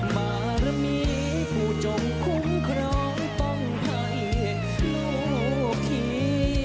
บารมีผู้จงคุ้มครองต้องให้ลูกขี่